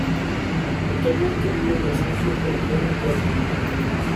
Actualmente vive en Los Ángeles, California, Estados Unidos.